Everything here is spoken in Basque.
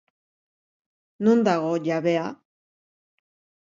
Non dago jabea?